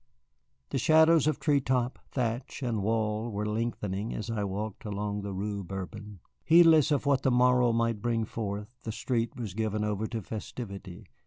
The shadows of tree top, thatch, and wall were lengthening as I walked along the Rue Bourbon. Heedless of what the morrow might bring forth, the street was given over to festivity.